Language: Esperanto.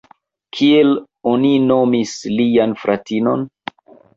Kiel oni nomis lian fratinon?